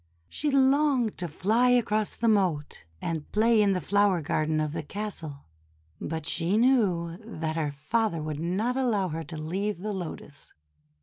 She longed to fly across the moat and play in the flower garden of the castle; but she knew that her father would not allow her to leave the Lotus.